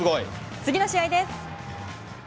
次の試合です。